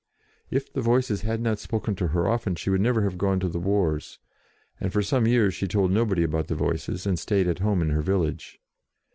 If the Voices had not spoken to her often, she would never have gone to the wars, and for some years she told nobody about the Voices, and stayed at home in her village.